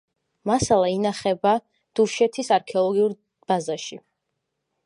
მასალა ინახება დუშეთის არქეოლოგიურ ბაზაში.